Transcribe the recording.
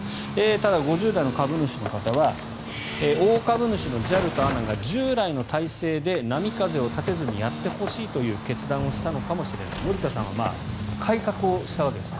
ただ、５０代の株主の方は大株主のＪＡＬとＡＮＡが従来の体制で波風を立てずにやってほしいという決断をしたのかもしれない乗田さんは改革をしたわけですね。